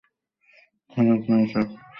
খারাপ না এসব।